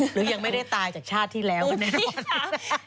หรือยังไม่ได้ตายจากชาติที่แล้วก็แน่นอน